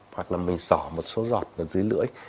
hoặc là mình sỏ một số giọt ở dưới lưỡi